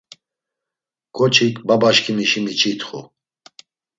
K̆oçik babaşǩimişi miç̌itxu.